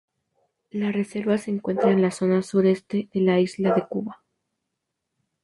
La reserva se encuentra en la zona sureste de la isla de Cuba.